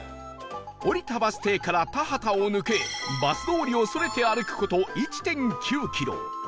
降りたバス停から田畑を抜けバス通りをそれて歩く事 １．９ キロ